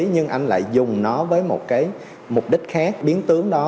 nhưng anh lại dùng nó với một cái mục đích khác biến tướng nó